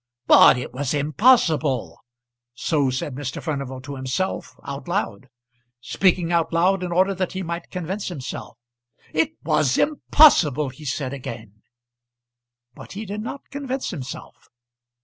But it was impossible. So said Mr. Furnival to himself, out loud; speaking out loud in order that he might convince himself. It was impossible, he said again; but he did not convince himself.